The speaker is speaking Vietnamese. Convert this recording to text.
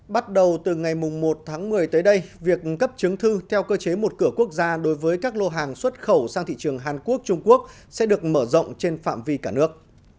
bắt đầu từ ngày một tháng một mươi tới đây việc cấp chứng thư theo cơ chế một cửa quốc gia đối với các lô hàng xuất khẩu sang thị trường hàn quốc trung quốc sẽ được mở rộng trên phạm vi cả nước